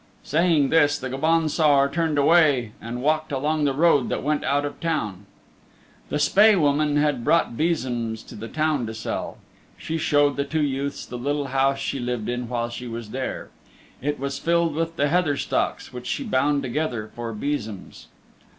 Saying this the Gobaun Saor turned away and walked along the road that went out of the town. The Spae Woman had brought besoms to the town to sell. She showed the two youths the little house she lived in while she was there. It was filled with the heather stalks which she bound together for besoms.